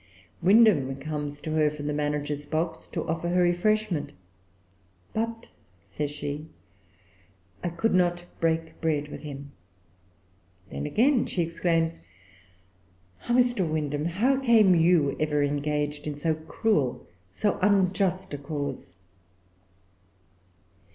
Windham comes to her from the managers' box, to offer her refreshment. "But," says she, "I could not break bread with him." Then,[Pg 367] again, she exclaims, "Ah, Mr. Windham, how came you ever engaged in so cruel, so unjust a cause?"